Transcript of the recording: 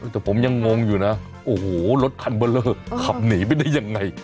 แต่ผมยังงงอยู่นะโอ้โหรถคันเบอร์เลอร์ขับหนีไปได้ยังไง